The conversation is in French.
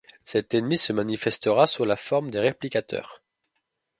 Cet ennemi se manifestera sous la forme des Réplicateurs.